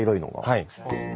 はい。